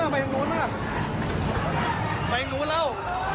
ไปทางนู้นแล้ว